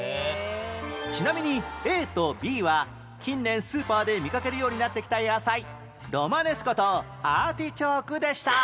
ちなみに Ａ と Ｂ は近年スーパーで見かけるようになってきた野菜ロマネスコとアーティチョークでした